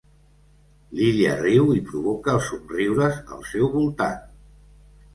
L'Illa riu i provoca els somriures al seu voltant.